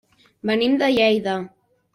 Venim de Lleida.